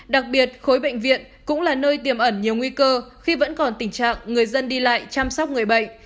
đặc biệt khối bệnh viện cũng là nơi tiềm ẩn nhiều nguy cơ khi vẫn còn tình trạng người dân đi lại chăm sóc người bệnh